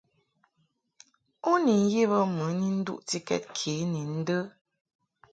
U ni ye bə mɨ ni nduʼti ke ni ndə ?